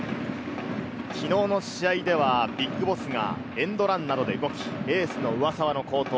昨日の試合ではＢＩＧＢＯＳＳがエンドランなどで動き、エースの上沢の好投。